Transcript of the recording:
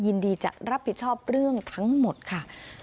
ยินดีจะรับผิดชอบเรื่องทั้งหมดค่ะ